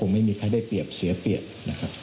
ไม่มีใครได้เปรียบเสียเปรียบนะครับ